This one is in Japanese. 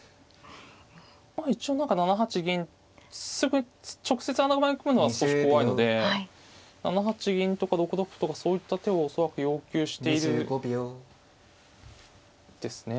まあ一応何か７八銀直接穴熊に組むのは少し怖いので７八銀とか６六歩とかそういった手を恐らく要求しているですね。